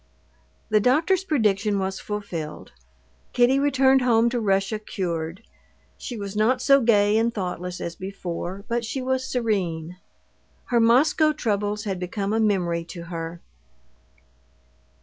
The doctor's prediction was fulfilled. Kitty returned home to Russia cured. She was not so gay and thoughtless as before, but she was serene. Her Moscow troubles had become a memory to her.